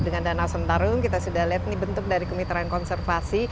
dengan danau sentarung kita sudah lihat ini bentuk dari kemitraan konservasi